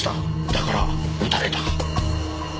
だから撃たれた。